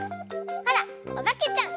ほらおばけちゃん！